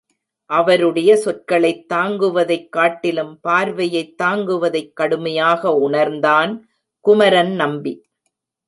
அவருடைய சொற்களைத் தாங்குவதைக் காட்டிலும் பார்வையைத் தாங்குவதைக் கடுமையாக உணர்ந்தான் குமரன் நம்பி.